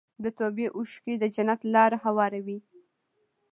د توبې اوښکې د جنت لاره هواروي.